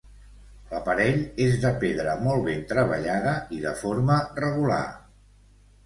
L'aparell és de pedra molt ben treballada i de forma regular.